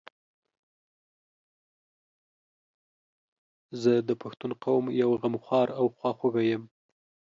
زه د پښتون قوم یو غمخوار او خواخوږی یم